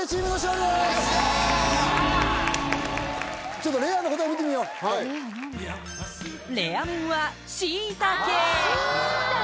ちょっとレアの答え見てみようレア面はあ！